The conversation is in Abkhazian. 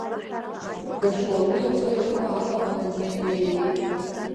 Гашьуалы ихы игәы алаҟаны длеиҩеиуеит.